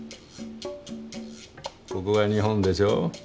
ここが日本でしょ。